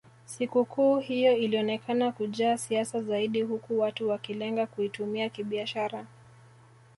Sikukuu hiyo ilionekana kujaa siasa zaidi huku watu wakilenga kuitumia kibiashara